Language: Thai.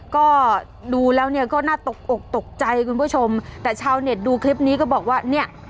ก็ดูแล้วเนี่ยก็น่าตกอกตกใจคุณผู้ชมแต่ชาวเน็ตดูคลิปนี้ก็บอกว่าเนี่ย